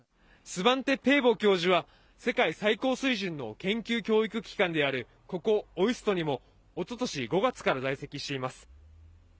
スバンテ・ペーボ教授は世界最高水準の研究教育機関であるここ、ＯＩＳＴにもおととし５月から在籍しています。